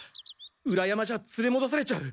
裏山じゃ連れもどされちゃう。